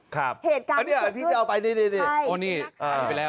ครับอันนี้นี่เอาไปนี่พี่ไม่เกิดขึ้นใช่